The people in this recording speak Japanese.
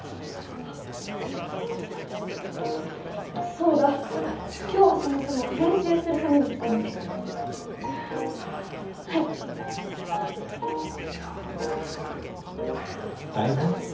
そうだ今日はそもそも練習するために来たのではい台本？